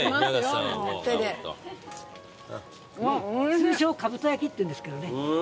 通称かぶと焼きっていうんですけどね。